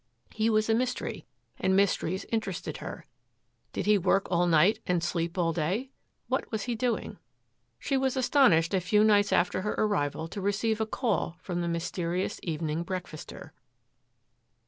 He was a mystery and mysteries interested her. Did he work all night and sleep all day? What was he doing? She was astonished a few nights after her arrival to receive a call from the mysterious evening breakfaster.